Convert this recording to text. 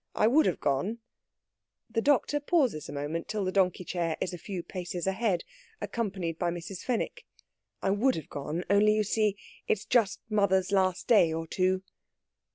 I would have gone...." The doctor pauses a moment till the donkey chair is a few paces ahead, accompanied by Mrs. Fenwick. "I would have gone, only, you see, it's just mother's last day or two...."